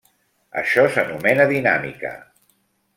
Això s'anomena dinàmica.